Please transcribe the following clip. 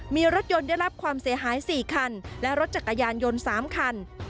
มีรถยนต์ได้รับความเสียหาย๔คันและรถจักรยานยนต์๓คัน